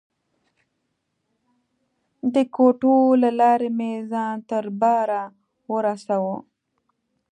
د کوټو له لارې مې ځان تر باره ورساوه.